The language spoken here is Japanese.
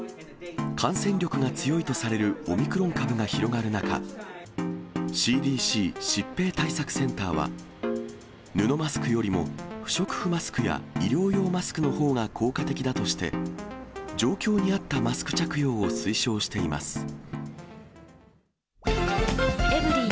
感染力が強いとされるオミクロン株が広がる中、ＣＤＣ・疾病対策センターは、布マスクよりも不織布マスクや医療用マスクのほうが効果的だとして、状況に合ったマスク着用を推奨しています。